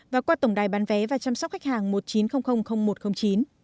và qua tổng đài bán vé và chăm sóc khách hàng một nghìn chín trăm linh một trăm linh chín